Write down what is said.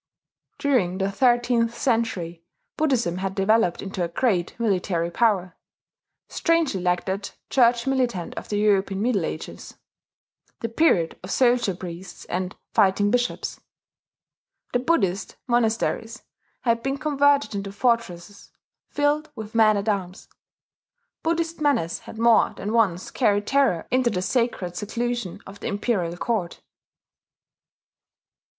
During the thirteenth century, Buddhism had developed into a great military power, strangely like that church militant of the European middle ages: the period of soldier priests and fighting bishops. The Buddhist monasteries had been converted into fortresses filled with men at arms; Buddhist menace had more than once carried terror into the sacred seclusion of the imperial court.